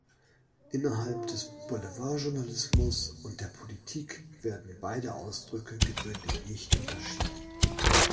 Innerhalb des Boulevardjournalismus und der Politik werden beide Ausdrücke gewöhnlich nicht unterschieden.